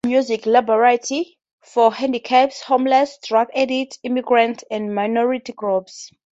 He personally did music laboratory for handicapped, homeless, drug addicts, immigrants and minority groups.